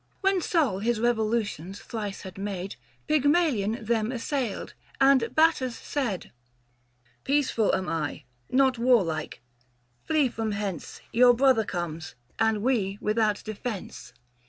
When Sol his revolutions thrice had made Pygmalion them assailed ; and Battus said " Peaceful am I, not warlike ; flee from hence, 625 Your brother comes, — and we without defence."